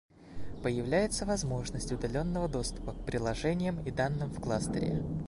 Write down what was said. Появляется возможность удаленного доступа к приложениям и данным в кластере